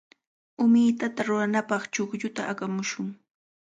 Umitata ruranapaq chuqlluta aqamushun.